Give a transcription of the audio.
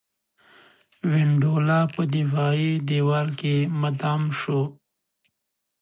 وینډولا په دفاعي دېوال کې مدغم شو.